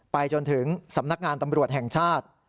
จนถึงสำนักงานตำรวจแห่งชาติ